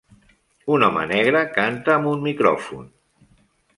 Un home negre canta amb un micròfon